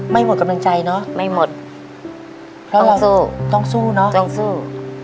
หมดกำลังใจเนอะไม่หมดต้องสู้ต้องสู้เนอะต้องสู้